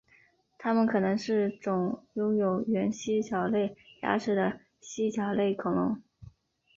它们可能是种拥有原蜥脚类牙齿的蜥脚类恐龙。